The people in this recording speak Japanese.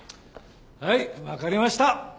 はいわかりました！